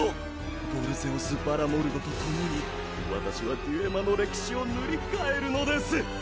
ヴォルゼオス・バラモルドとともに私はデュエマの歴史を塗り替えるのです！